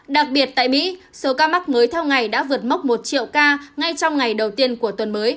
đặc biệt tại mỹ số ca mắc mới theo ngày đã vượt mốc một triệu ca ngay trong ngày đầu tiên của tuần mới